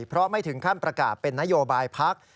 เพราะไม่ถึงขั้นประกาศเป็นนโยบายพัก